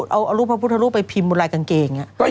เอารูปพระพุทธรูปไปพิมพ์บนลายกางเกง